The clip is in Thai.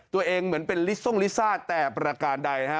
ตัวเองเหมือนเป็นลิซ่องลิซ่าแต่ประการใดฮะ